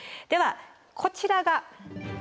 ではこちらが。